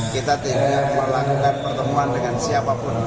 kita tidak melakukan pertemuan dengan siapapun